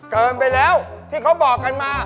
เกิดเกินไปแล้วที่เขาบอกมา